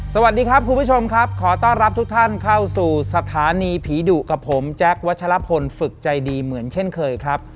สวัสดีครับคุณผู้ชมครับขอต้อนรับทุกท่านเข้าสู่สถานีผีดุกับผมแจ๊ควัชลพลฝึกใจดีเหมือนเช่นเคยครับ